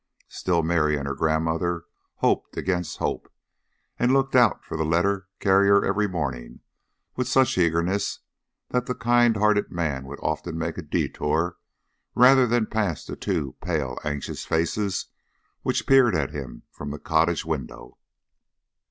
Still Mary and her grandmother hoped against hope, and looked out for the letter carrier every morning with such eagerness, that the kind hearted man would often make a detour rather than pass the two pale anxious faces which peered at him from the cottage window.